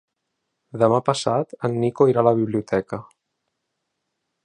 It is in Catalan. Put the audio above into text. Demà passat en Nico irà a la biblioteca.